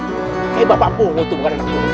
kayaknya bapak pungut bukan anak pungut